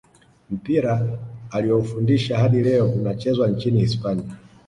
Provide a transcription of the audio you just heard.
mpira alioufundisha hadi leo unachezwa nchini hispania